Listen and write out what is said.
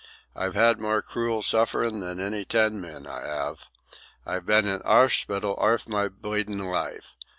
I've had more cruel sufferin' than any ten men, I 'ave. I've been in orspital arf my bleedin' life.